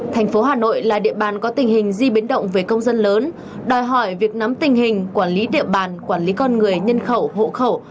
thành phố hà nội là địa bàn có tình hình di biến động về công dân lớn đòi hỏi việc nắm tình hình quản lý địa bàn quản lý con người nhân khẩu hộ khẩu